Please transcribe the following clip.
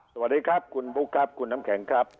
สวัสดีครับคุณบุ๊คครับคุณน้ำแข็งครับ